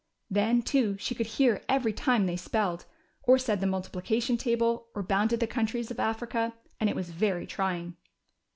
Then, too, she could hear every time they spelled, or said the multiplication table, or bounded the countries of Africa, and it was very trying.